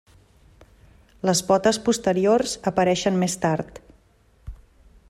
Les potes posteriors apareixen més tard.